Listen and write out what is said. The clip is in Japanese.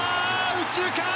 右中間！